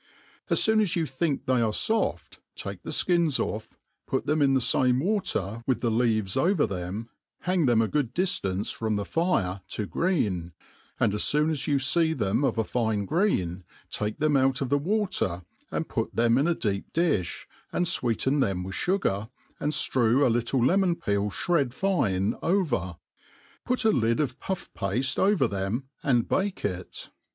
As fopip as you think they are foft, take the fktns off, put them in the fame water, with the leaves over them, bang them a good diftadce from the fire to green, and as foon as you fee them of a ^ne green, take them out of the water, and put them in a deep dim, and fweeten them with fugar, and ftrew ^ little lempn peiel t^tA fine over; put a lid of puff pafte over them, and bake it.